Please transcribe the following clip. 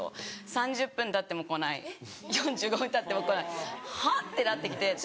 ３０分たっても来ない４５分たっても来ない。は⁉ってなってきてそ